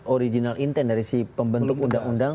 original intent dari si pembentuk undang undang